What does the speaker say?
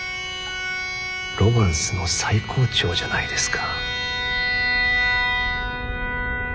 ロマンスの最高潮じゃないですか。